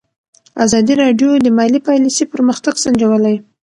ازادي راډیو د مالي پالیسي پرمختګ سنجولی.